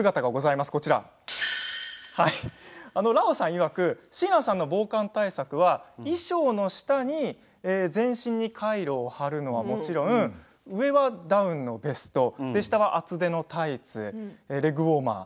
いわく椎名さんの防寒対策は衣装の下に全身にカイロを貼るのはもちろん上はダウンのベスト下は厚手のタイツレッグウォーマー